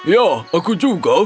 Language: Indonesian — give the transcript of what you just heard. ya aku juga